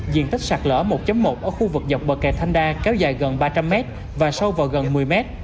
diện tích sạt lỡ một một ở khu vực dọc bờ kè thanh đa kéo dài gần ba trăm linh mét và sâu vào gần một mươi mét